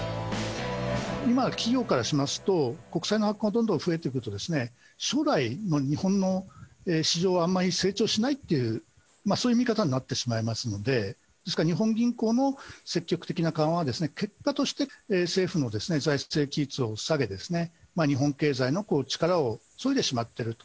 今、企業からしますと、国債の発行がどんどん増えてくると、将来の日本の市場はあまり成長しないっていう、そういう見方になってしまいますので、ですから、日本銀行の積極的な緩和はですね、結果として政府の財政規律を下げ、日本経済の力を削いでしまっていると。